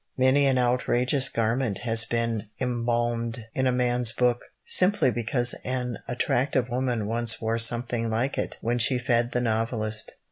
Many an outrageous garment has been embalmed in a man's book, simply because an attractive woman once wore something like it when she fed the novelist.